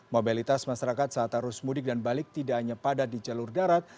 mobilitas masyarakat saat arus mudik dan balik tidak hanya padat di jalur darat